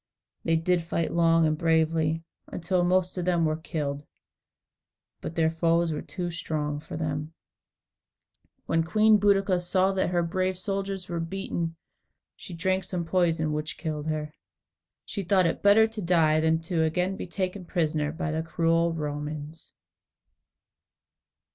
They did fight long and bravely, until most of them were killed, but their foes were too strong for them. When Queen Boadicea saw that her brave soldiers were beaten, she drank some poison which killed her. She thought it better to die than to be again taken prisoner by the cruel Romans.